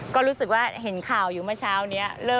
ก็รู้สึกว่าเห็นข่าวอยู่เมื่อเช้านี้